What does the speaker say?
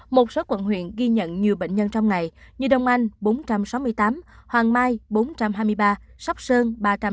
một số quận huyện ghi nhận nhiều bệnh nhân trong ngày như đông anh bốn trăm sáu mươi tám hoàng mai bốn trăm hai mươi ba sóc sơn ba trăm tám mươi